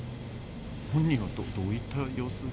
本人はどういった様子で？